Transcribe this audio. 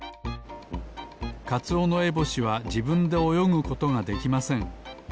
カツオノエボシはじぶんでおよぐことができません。